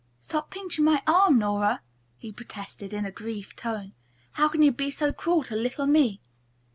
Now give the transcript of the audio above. "Stop pinching my arm, Nora," he protested in a grieved tone. "How can you be so cruel to little me?"